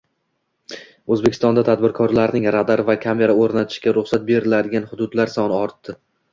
O‘zbekistonda tadbirkorlarning radar va kamera o‘rnatishiga ruxsat beriladigan hududlar soni ortdi